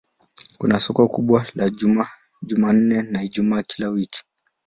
Kuna soko kubwa la Jumanne na Ijumaa kila wiki.